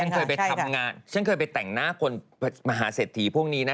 เคยไปทำงานฉันเคยไปแต่งหน้าคนมหาเศรษฐีพวกนี้นะ